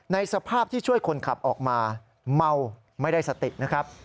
สภาพที่ช่วยคนขับออกมาเมาไม่ได้สตินะครับ